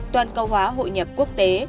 toàn câu hóa hội nhập quốc tế